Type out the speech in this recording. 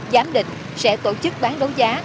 giám định sẽ tổ chức bán đấu giá